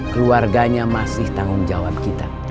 keluarganya masih tanggung jawab kita